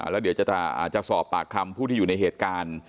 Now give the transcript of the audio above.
แล้วเดี๋ยวจะสอบปากคำผู้ที่อยู่ในเหตุการณ์